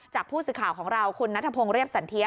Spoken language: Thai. จากผู้สื่อข่าวของเราคุณนัทพงศ์เรียบสันเทีย